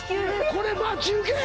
これ待ち受け！？